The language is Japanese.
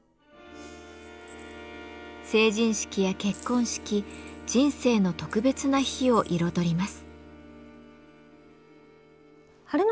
成人式や結婚式人生の特別な日を彩ります。